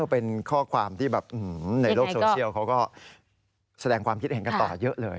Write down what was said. เป็นข้อความที่แบบในโลกโซเชียลเขาก็แสดงความคิดเห็นกันต่อเยอะเลย